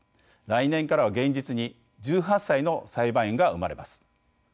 来年からは現実に１８歳の裁判員が生まれます。